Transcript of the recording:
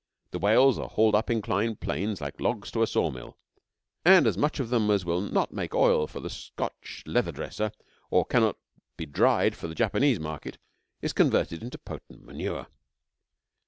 The whales are hauled up inclined planes like logs to a sawmill, and as much of them as will not make oil for the Scotch leather dresser, or cannot be dried for the Japanese market, is converted into potent manure.